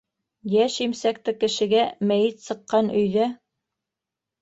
Йәш имсәкте кешегә мәйет сыҡҡан өйҙә...